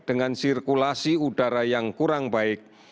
dengan sirkulasi udara yang kurang baik